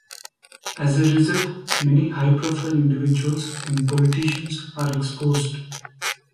As a result, many high profile individuals and politicians are exposed.